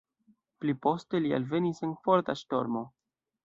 Pliposte li alvenis en forta ŝtormo.